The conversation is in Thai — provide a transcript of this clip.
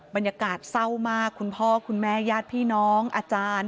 บรรยากาศเศร้ามากคุณพ่อคุณแม่ญาติพี่น้องอาจารย์